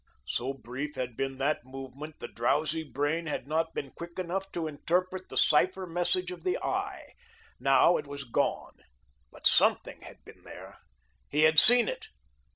So brief had been that movement, the drowsy brain had not been quick enough to interpret the cipher message of the eye. Now it was gone. But something had been there. He had seen it.